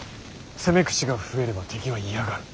攻め口が増えれば敵は嫌がる。